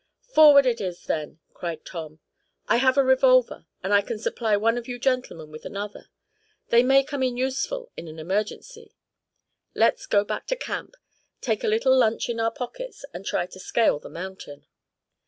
"Forward it is, then!" cried Tom. "I have a revolver, and I can supply one of you gentlemen with another. They may come in useful in an emergency. Let's go back to camp, take a little lunch in our pockets, and try to scale the mountain."